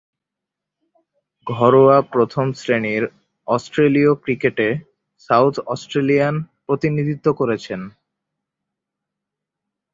ঘরোয়া প্রথম-শ্রেণীর অস্ট্রেলীয় ক্রিকেটে সাউথ অস্ট্রেলিয়ার প্রতিনিধিত্ব করেছেন।